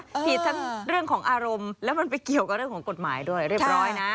ผิดทั้งเรื่องของอารมณ์แล้วมันไปเกี่ยวกับเรื่องของกฎหมายด้วยเรียบร้อยนะ